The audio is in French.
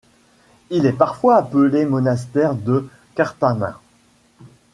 Il est parfois appelé Monastère de Qartamin.